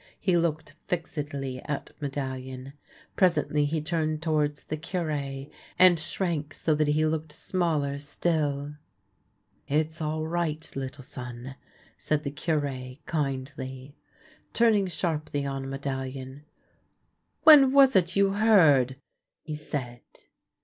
He looked fixedly at Medallion. Presently he turned towards the Cure, and shrank so that he looked smaller still. " It's all right, little son," said the Cure kindly. Turning sharply on Medallion :" When was it you heard? " he said.